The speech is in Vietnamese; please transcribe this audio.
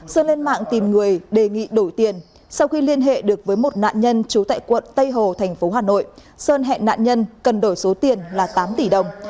sơn lên mạng tìm người đề nghị đổi tiền sau khi liên hệ được với một nạn nhân trú tại quận tây hồ thành phố hà nội sơn hẹn nạn nhân cần đổi số tiền là tám tỷ đồng